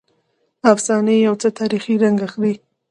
افسانې یو څه تاریخي رنګ اخلي.